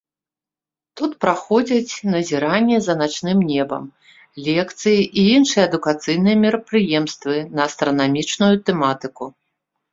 Тут праходзяць назіранні за начным небам, лекцыі і іншыя адукацыйныя мерапрыемствы на астранамічную тэматыку.